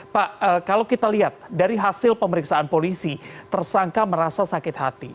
pak kalau kita lihat dari hasil pemeriksaan polisi tersangka merasa sakit hati